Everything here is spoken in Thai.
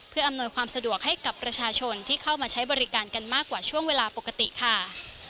เพื่ออำนวยความสะดวกให้กับประชาชนที่เข้ามาใช้บริการกันมากกว่าช่วงเวลาปกติค่ะ